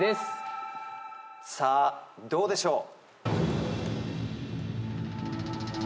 さあどうでしょう？